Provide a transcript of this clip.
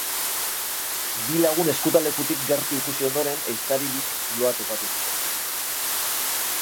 Bi lagun ezkutalekutik gertu ikusi ondoren, ehiztari bik zuloa topatu zuten.